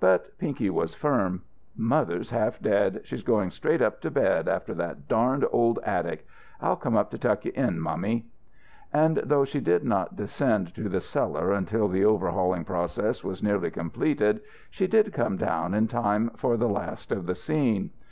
But Pinky was firm. "Mother's half dead. She's going straight up to bed, after that darned old attic. I'll come up to tuck you in, mummy." And though she did not descend to the cellar until the overhauling process was nearly completed she did come down in time for the last of the scene.